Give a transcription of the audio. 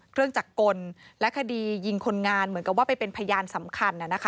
จากกลและคดียิงคนงานเหมือนกับว่าไปเป็นพยานสำคัญ